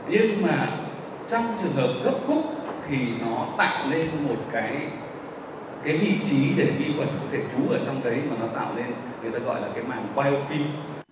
nhưng mà trong trường hợp gấp khúc thì nó tạo lên một cái cái vị trí để vị khuẩn có thể trú ở trong đấy mà nó tạo lên người ta gọi là cái mạng biofilm